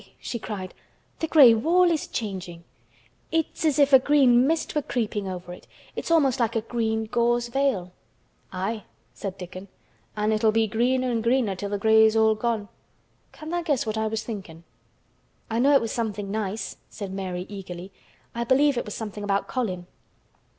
she cried, "the gray wall is changing. It is as if a green mist were creeping over it. It's almost like a green gauze veil." "Aye," said Dickon. "An' it'll be greener and greener till th' gray's all gone. Can tha' guess what I was thinkin'?" "I know it was something nice," said Mary eagerly. "I believe it was something about Colin."